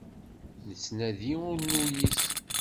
Nettnadi ur nuyis.